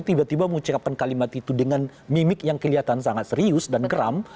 tiba tiba mengucapkan kalimat itu dengan mimik yang kelihatan sangat serius dan geram